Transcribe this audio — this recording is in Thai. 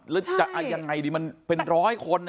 แล้วจะเอายังไงดีมันเป็นร้อยคน